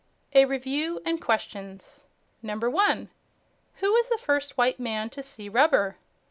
A REVIEW AND QUESTIONS 1. Who was the first white man to see rubber?